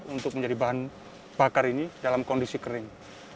untuk menjadi bahan bakar ini dalam kondisi kering